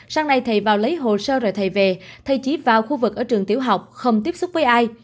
sáng nay thầy vào lấy hồ sơ rồi thầy về thầy chỉ vào khu vực ở trường tiểu học không tiếp xúc với ai